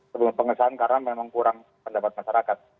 sebelum pengesahan karena memang kurang pendapat masyarakat